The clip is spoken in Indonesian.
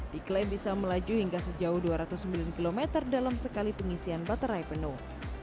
diklaim bisa melaju hingga sejauh dua ratus sembilan km dalam sekali pengisian baterai penuh